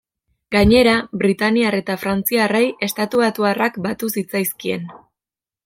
Gainera, britainiar eta frantziarrei estatubatuarrak batu zitzaizkien.